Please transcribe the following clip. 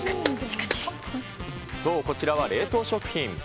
そう、こちらは冷凍食品。